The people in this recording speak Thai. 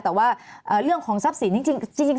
แต่ว่าเรื่องของทรัพย์สินจริง